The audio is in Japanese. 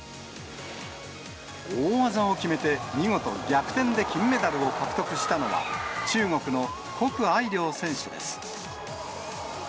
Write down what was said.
大技を決めて、見事、逆転で金メダルを獲得したのは、中国の谷愛凌選手です。